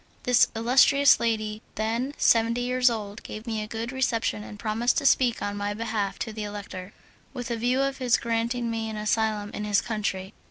This illustrious lady, then seventy years old, gave me a good reception and promised to speak on my behalf to the Elector, with a view to his granting me an asylum in his country.